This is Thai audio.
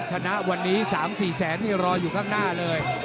ชนะวันนี้๓๔แสนนี่รออยู่ข้างหน้าเลย